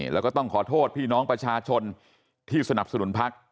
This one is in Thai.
แล้วก็ต้องขอโทษพี่น้องประชาชนที่สนับสนุนพัก